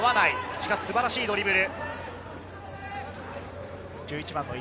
しかし素晴らしいドリブル。